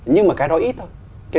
nhưng mà cái đó ít thôi